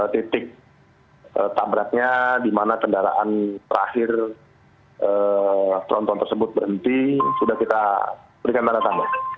titik tabraknya di mana kendaraan terakhir tronton tersebut berhenti sudah kita berikan tanda tanda